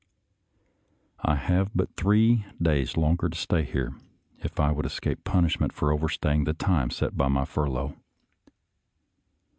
I have but three days longer to stay here if I would escape punishment for overstaying the time set by my furlough.